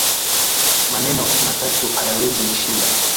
Maneno matatu hayawezi nishinda